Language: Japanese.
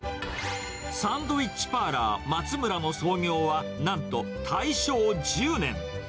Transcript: サンドウィッチパーラーまつむらの創業はなんと大正１０年。